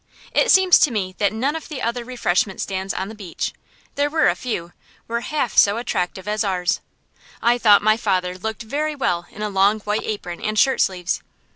It seemed to me that none of the other refreshment stands on the beach there were a few were half so attractive as ours. I thought my father looked very well in a long white apron and shirt sleeves.